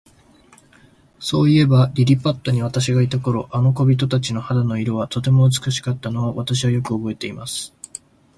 そういえば、リリパットに私がいた頃、あの小人たちの肌の色は、とても美しかったのを、私はよくおぼえています。